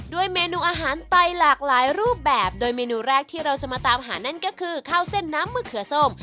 เมนูอาหารไตหลากหลายรูปแบบโดยเมนูแรกที่เราจะมาตามหานั่นก็คือข้าวเส้นน้ำมะเขือส้ม